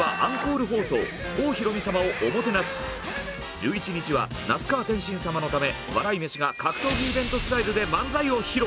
１１日は那須川天心様のため笑い飯が格闘技イベントスタイルで漫才を披露。